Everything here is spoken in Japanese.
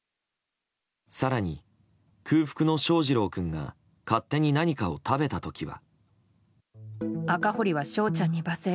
更に、空腹の翔士郎君が勝手に何かを食べた時は。